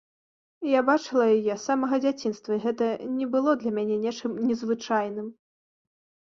Я бачыла яе з самага дзяцінства, і гэта не было для мяне нечым незвычайным.